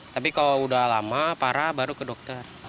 tapi kalau udah lama parah baru ke dokter